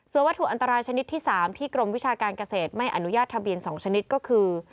ส่วนวัตถุอันตรายชนิดที่๓ที่กรมวิชาการเกษตรไม่อนุญาตทะเบียน๒ชนิดก็คือ